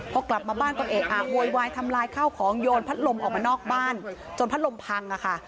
พอกลับมาบ้านก็เอะอะโวยวายทำลายข้าวของโยนพัดลมออกมานอกบ้านจนพัดลมพังค่ะ